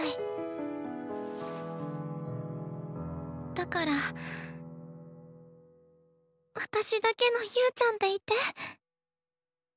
だから私だけの侑ちゃんでいて。